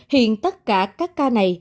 hiện tất cả các ca này